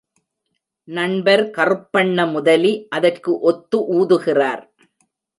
நண்பர் கறுப்பண்ண முதலி அதற்கு ஒத்து ஊதுகிறார்.